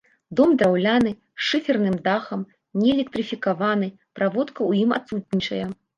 Дом драўляны з шыферным дахам, не электрыфікаваны, праводка ў ім адсутнічае.